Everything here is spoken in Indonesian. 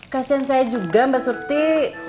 kasian saya juga mbak surti